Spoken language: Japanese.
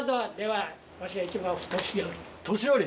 年寄り？